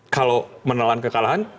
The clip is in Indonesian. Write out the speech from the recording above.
kalau menelan kekalahan